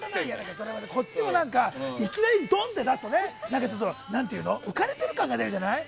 それは、こっちもいきなりどん！って出すとなんていうの浮かれてる感が出るじゃない？